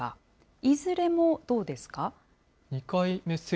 いずれもどうですか。